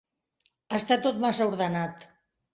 Està tot massa ordenat.